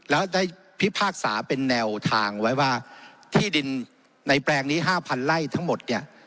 แล้วได้พิพากษาเป็นแนวทางไว้ว่าที่ดินในแปลงนี้๕๐๐ไร่ทั้งหมดเนี่ย